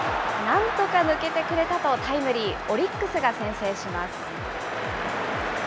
なんとか抜けてくれたと、タイムリー、オリックスが先制します。